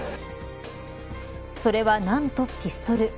それは何とピストル。